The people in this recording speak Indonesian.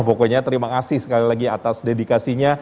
pokoknya terima kasih sekali lagi atas dedikasinya